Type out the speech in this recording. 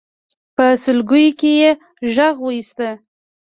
په سلګيو کې يې غږ واېست.